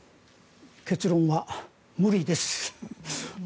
結論は無理です。